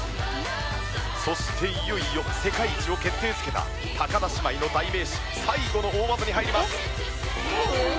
そしていよいよ世界一を決定づけた田姉妹の代名詞最後の大技に入ります。